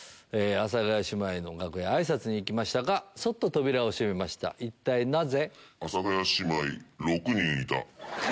阿佐ヶ谷姉妹の楽屋へあいさつへ行きましたがそっと扉を閉めました一体なぜ？